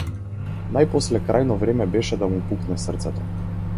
Најпосле крајно време беше да му пукне срцето.